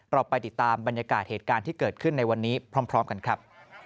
เราไปติดตามบรรยากาศเหตุการณ์ที่เกิดขึ้นในวันนี้พร้อมกันครับ